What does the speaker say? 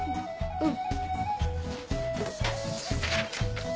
うん。